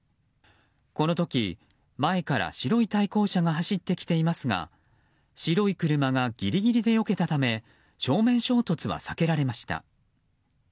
この時、前から白い対向車が走ってきていますが、白い車がギリギリでよけたため正面衝突は避けられました。